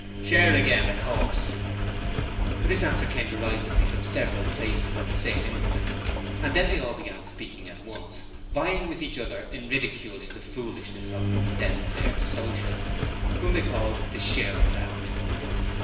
'Share again, of course.' This answer came derisively from several places at the same instant, and then they all began speaking at once, vying with each other in ridiculing the foolishness of 'them there Socialists', whom they called 'The Sharers Out'.